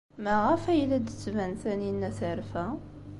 Maɣef ay la d-tettban Taninna terfa?